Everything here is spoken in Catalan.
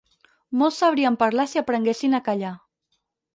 Molts sabrien parlar si aprenguessin a callar.